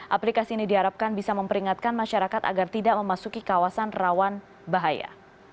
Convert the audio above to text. aplikasi ini diharapkan bisa memperingatkan masyarakat agar tidak memasuki kawasan rawan bahaya